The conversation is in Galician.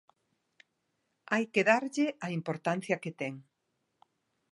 Hai que darlle a importancia que ten.